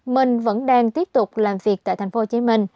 mình vẫn đang tiếp tục làm việc tại tp hcm